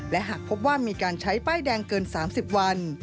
และหากพบว่ามีการใช้ป้ายแดงเกิน๓๐วัน